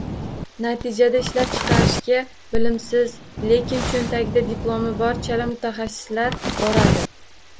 Natijada ishlab chiqarishga bilimsiz, lekin choʻntagida diplomi bor chala mutaxassislar boradi.